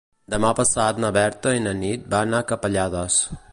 Demà passat na Berta i na Nit van a Capellades.